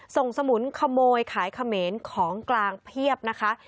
สมุนขโมยขายเขมรของกลางเพียบนะคะ